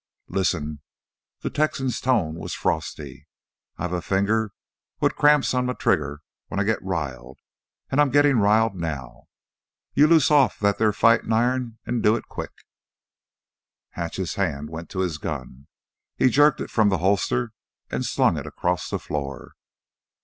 "Lissen " the Texan's tone was frosty "I've a finger what cramps on m' trigger when I git riled, an' I'm gittin' riled now. You loose off that theah fightin' iron, an' do it quick!" Hatch's hand went to his gun. He jerked it from the holster and slung it across the floor.